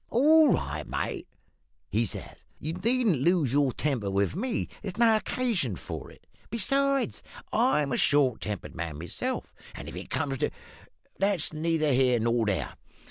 "`All right, mate,' he says; `you needn't lose your temper with me; there's no occasion for it. Besides, I'm a short tempered man myself, and if it comes to but that's neither here nor there.